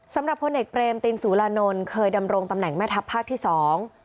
สำหรับพลเอกเปรมตินสุรานนท์เคยดำรงตำแหน่งแม่ทัพภาคที่สอง